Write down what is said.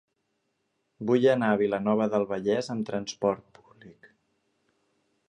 Vull anar a Vilanova del Vallès amb trasport públic.